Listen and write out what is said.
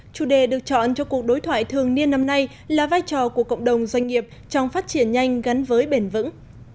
chủ đề được chọn cho cuộc đối thoại thường niên năm nay là vai trò của cộng đồng doanh nghiệp trong phát triển nhanh gắn với bền vững